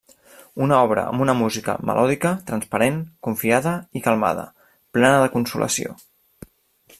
Una obra amb una música melòdica, transparent, confiada i calmada, plena de consolació.